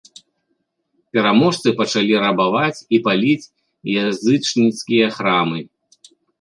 Пераможцы пачалі рабаваць і паліць язычніцкія храмы.